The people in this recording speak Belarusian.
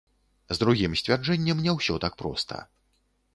З другім сцвярджэннем не ўсё так проста.